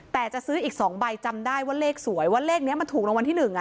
แต่จะซื้ออีก๒ใบจำได้ว่าเลขสวยว่าเลขนี้มันถูกรางวัลที่๑